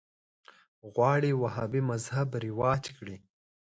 غواړي وهابي مذهب رواج کړي